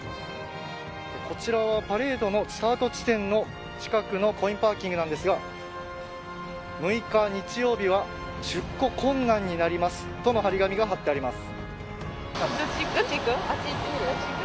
こちらはパレードのスタート地点の近くのコインパーキングなんですが６日、日曜日は出庫困難になりますとの貼り紙が貼ってあります。